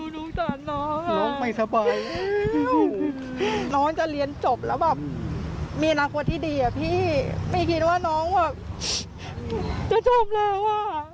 เราก็ตื่นมาใช่ไหมแล้วเราก็มาไหว้